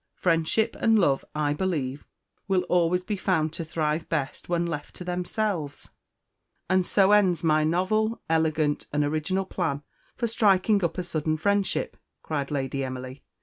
Friendship and love, I believe, will always be found to thrive best when left to themselves." "And so ends my novel, elegant, and original plan for striking up a sudden friendship," cried Lady Emily.